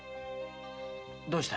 どうしたい？